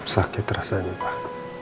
sakit rasanya pak